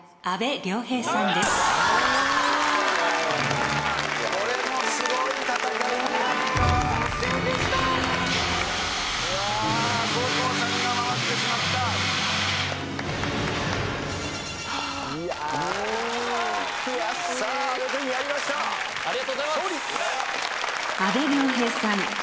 阿部亮平さん